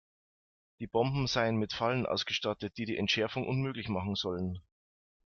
Die Bomben seien mit Fallen ausgestattet, die die Entschärfung unmöglich machen sollen.